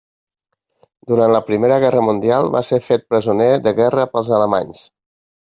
Durant la Primera Guerra Mundial va ser fet presoner de guerra pels alemanys.